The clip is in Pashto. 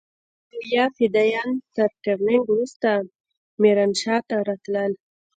او يا فدايان تر ټرېننگ وروسته ميرانشاه ته راتلل.